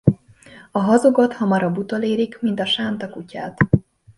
A hazugot hamarabb utolérik, mint a sánta kutyát.